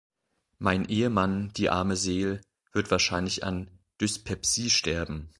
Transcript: Mein Ehemann, die arme Seel, wird wahrscheinlich an Dyspepsie sterben.